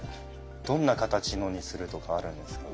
どんな形のにするとかあるんですか？